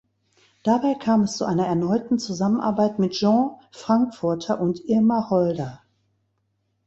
Dabei kam es zu einer erneuten Zusammenarbeit mit Jean Frankfurter und Irma Holder.